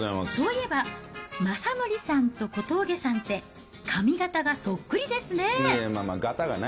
そういえば、まさのりさんと小峠さんって髪形がそっくりですね。